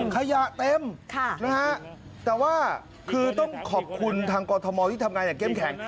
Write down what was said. ขยะเต็มนะฮะแต่ว่าคือต้องขอบคุณทางกรทมที่ทำงานอย่างเข้มแข็ง